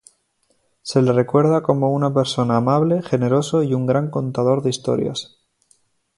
Se le recuerda como una persona amable, generoso y un gran contador de historias.